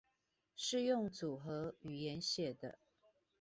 是用組合語言寫的